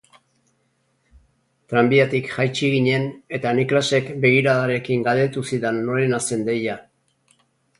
Tranbiatik jaitsi ginen eta Niclasek begiradarekin galdetu zidan norena zen deia.